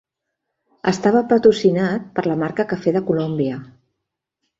Estava patrocinat per la marca Cafè de Colòmbia.